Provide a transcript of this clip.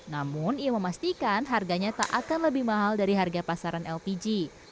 namun ia memastikan harganya tak akan lebih mahal dari harga pasaran lpg